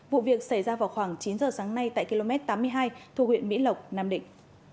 vụ việc xảy ra vào khoảng chín giờ sáng nay tại km tám mươi hai thu huyện mỹ lộc nam định